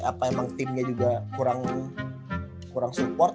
apa emang timnya juga kurang support